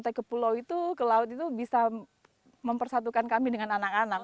kita ke pulau itu ke laut itu bisa mempersatukan kami dengan anak anak